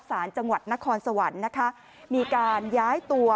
สารจังหวัดนครสวรรค์นะคะมีการย้ายตัว